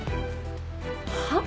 はっ？